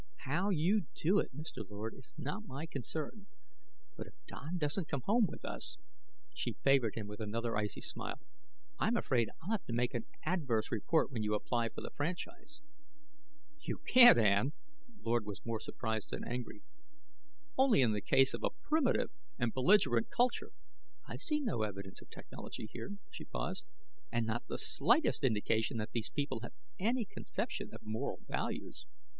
"How you do it, Mr. Lord, is not my concern. But if Don doesn't go home with us " She favored him with another icy smile. "I'm afraid I'll have to make an adverse report when you apply for the franchise." "You can't, Ann!" Lord was more surprised than angry. "Only in the case of a primitive and belligerent culture " "I've seen no evidence of technology here." She paused. "And not the slightest indication that these people have any conception of moral values."